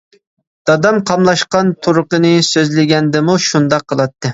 دادام قاملاشقان تۇرقىنى سۆزلىگەندىمۇ شۇنداق قىلاتتى.